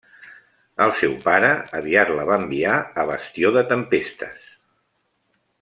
El seu pare aviat la va enviar a Bastió de Tempestes.